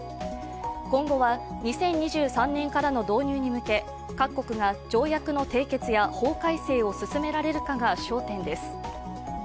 今後は２０２３年からの導入に向け各国が条約の締結や法改正を進められるかが焦点です。